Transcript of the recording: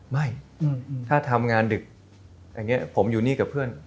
ไม่ถ้าทำงานดึกผมอยู่นี่กับเพื่อน